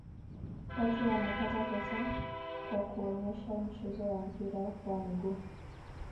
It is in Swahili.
watu wanapata pesa kwa kuonesha mchezo wa mpira wa miguu